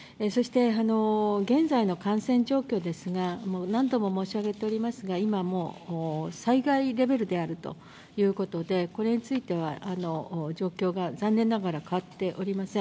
そして現在の感染状況ですが、何度も申し上げておりますが、今、もう災害レベルであるということで、これについては、状況が残念ながら変わっておりません。